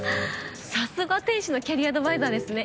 さすが天使のキャリアアドバイザーですね。